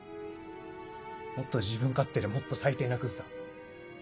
もっと自分勝手でもっと最低なクズだ。